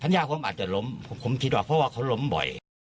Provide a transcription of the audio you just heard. ญาผมอาจจะล้มผมคิดว่าเพราะว่าเขาล้มบ่อย